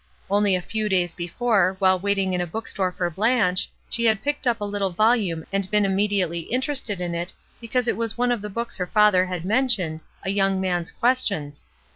Only a few days before, while waiting in a book store for Blanche, she had picked up a Uttle volume and been immediately interested in it because it was one of the books her father had mentioned, ''A Young Man's Questions."